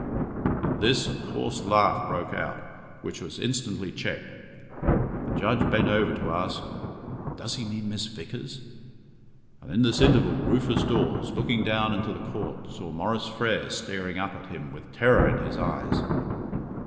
At this, a coarse laugh broke out, which was instantly checked. The judge bent over to ask, "Does he mean Miss Vickers?" and in this interval Rufus Dawes, looking down into the Court, saw Maurice Frere staring up at him with terror in his eyes.